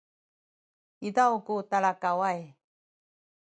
izaw ku talakaway